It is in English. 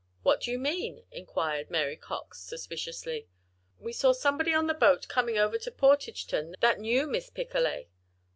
"What do you mean?" inquired Mary Cox, suspiciously. "We saw somebody on the boat coming over to Portageton that knew Miss Picolet."